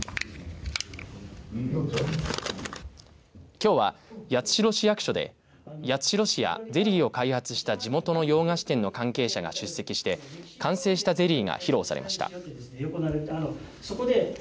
きょうは八代市役所で八代市やゼリーを開発した地元の洋菓子店の関係者が出席して完成したゼリーが披露されました。